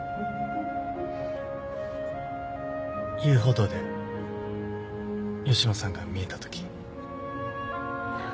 遊歩道で吉野さんが見えたとき。